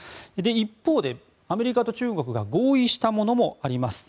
一方、アメリカと中国が合意したものもあります。